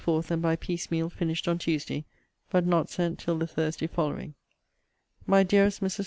4, and by piecemeal finished on Tuesday; but not sent till the Thursday following. MY DEAREST MRS.